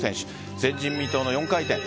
前人未到の４回転。